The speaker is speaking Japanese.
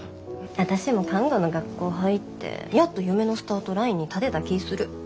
私も看護の学校入ってやっと夢のスタートラインに立てた気ぃする。